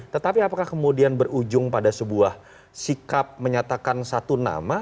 tetapi apakah kemudian berujung pada sebuah sikap menyatakan satu nama